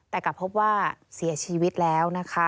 แต่กลับพบว่าเสียชีวิตแล้วนะคะ